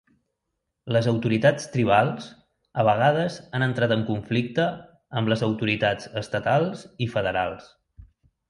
Les autoritats tribals a vegades han entrat en conflicte amb les autoritats estatals i federals.